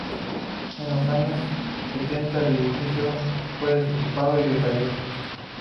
En los años setenta el edificio fue desocupado y decayó.